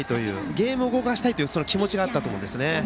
ゲームを動かしたいという気持ちがあったと思いますね。